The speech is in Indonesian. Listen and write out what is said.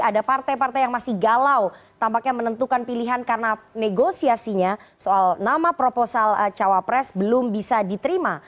ada partai partai yang masih galau tampaknya menentukan pilihan karena negosiasinya soal nama proposal cawapres belum bisa diterima